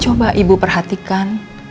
coba ibu perhatikan